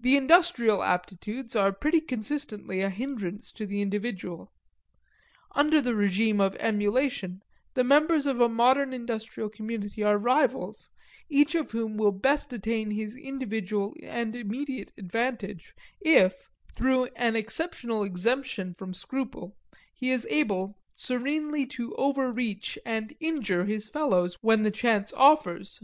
The industrial aptitudes are pretty consistently a hindrance to the individual. Under the regime of emulation the members of a modern industrial community are rivals, each of whom will best attain his individual and immediate advantage if, through an exceptional exemption from scruple, he is able serenely to overreach and injure his fellows when the chance offers.